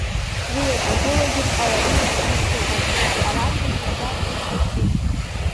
Уи иаҿагылогьы дҟаларымызт ҳәа сыҟоуп, дҟаларгьы зынӡа усс дыктәым.